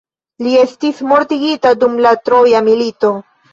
Li estis mortigita dum la troja milito.